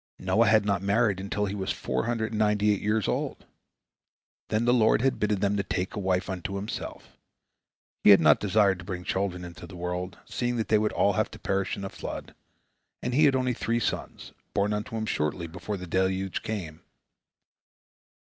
Noah had not married until he was four hundred and ninety eight years old. Then the Lord had bidden him to take a wife unto himself. He had not desired to bring children into the world, seeing that they would all have to perish in the flood, and he had only three sons, born unto him shortly before the deluge came.